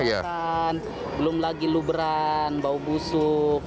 belum lagi luberan bau busuk